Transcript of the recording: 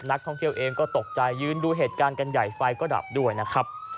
นักท่องเที่ยวเองก็ตกใจยืนดูเหตุการณ์กันใหญ่ไฟก็ดับด้วยนะครับ